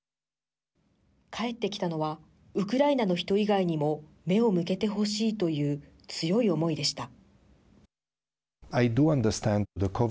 返ってきたのはウクライナの人以外にも目を向けてほしいという強い思いでした。